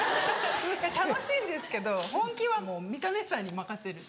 楽しいんですけど本気はもうミカ姉さんに任せる。